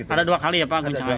ada dua kali ya pak guncangan